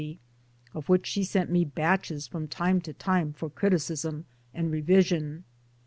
(of which shte sent me batches from time to timie for criticism and revision).